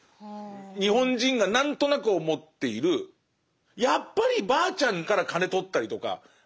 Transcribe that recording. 日本人が何となく思っているやっぱりばあちゃんから金とったりとかばあちゃん